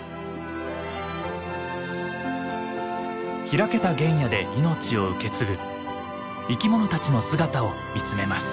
開けた原野で命を受け継ぐ生き物たちの姿を見つめます。